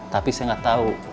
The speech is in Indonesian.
tapi saya gak tahu